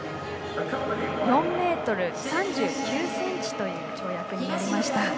４ｍ３９ｃｍという跳躍になりました。